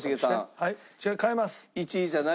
はい。